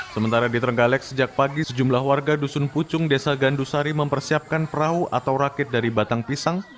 sementara di terenggalek sejak pagi sejumlah warga dusun pucung desa gandusari mempersiapkan perahu atau rakit dari batang pisang